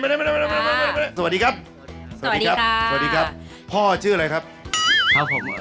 อ้าวสวัสดีลูกมาได้